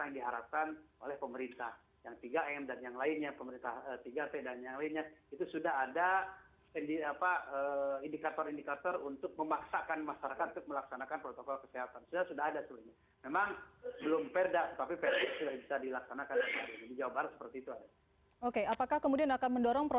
ya kita nanti konsultasi dulu dengan dprd